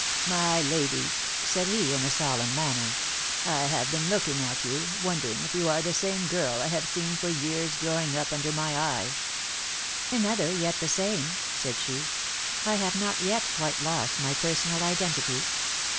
" My lady," said he, in a solemn manner, " I have been looking at you, wondering if you are the same girl I have seen for years growing up under my^eye." "Another, yet the same," said she. "I have not yet quite lost my personal identity."